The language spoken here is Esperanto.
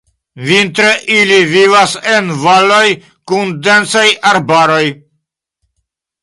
Vintre ili vivas en valoj kun densaj arbaroj.